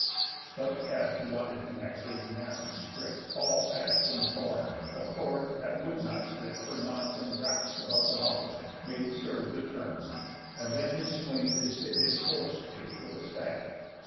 Thus cast he on his neck his nasty scrip, All patch'd and torn; a cord, that would not slip For knots and bracks about the mouth of it, Made serve the turn; and then his swain did fit His forc'd state with a staff.